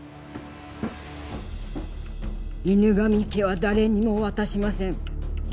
犬神家は誰にも渡しません。